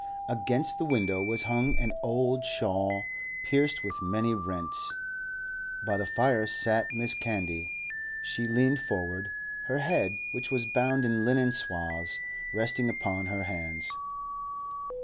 Against the window was hung an old shawl pierced with many rents. By the fire sat Mrs. Candy; she leaned forward, her head, which was bound in linen swathes, resting upon her hands.